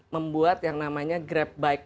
membuat yang namanya grab bike